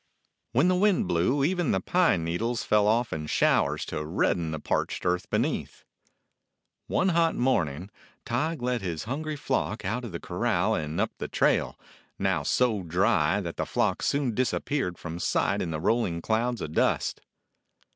When the wind blew even the pine needles fell off in showers, to redden the parched earth beneath. One hot morning Tige led his hungry flock out of the corral and up the trail, now so dry that the flock soon disappeared from sight in the rolling clouds of dust.